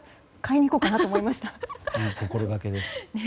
いい心がけです。